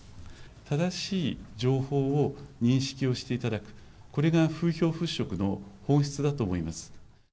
正しい情報を認識をしていただく、これが風評払拭の本質だと思います。